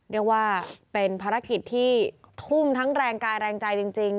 เรียกว่าเป็นภารกิจที่ทุ่มทั้งแรงกายแรงใจจริง